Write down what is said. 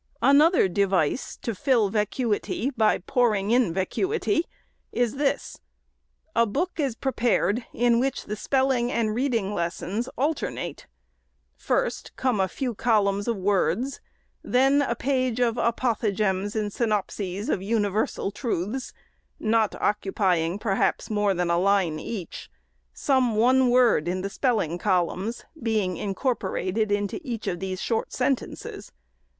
Another device to fill vacuity by pouring in vacuity, is this ;— a book is prepared, in which the spelling and read ing lessons alternate. First come a few columns of words, and then a page of apothegms and synopses of universal truths, not occupying, perhaps, more than a line each ; some one word in the spelling columns being incorporated into each of these short sentences.